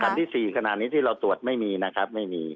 ที่๔ขนาดนี้ที่เราตรวจไม่มีนะครับไม่มี